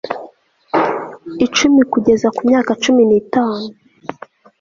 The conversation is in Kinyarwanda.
icumi kugeza ku myaka cumi n itanu